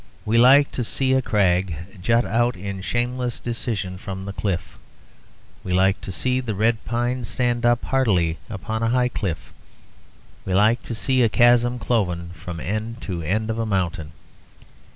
We like to see a crag jut out in shameless decision from the cliff, we like to see the red pines stand up hardily upon a high cliff, we like to see a chasm cloven from end to end of a mountain.